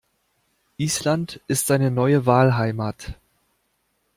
Island ist seine neue Wahlheimat.